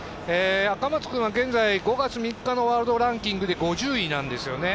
赤松君は現在、５月３日のワールドランキングで５０位なんですよね